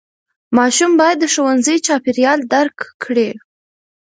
ماشوم باید د ښوونځي چاپېریال درک کړي.